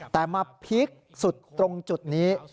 แต่มาพีคสุดตรงจุดนี้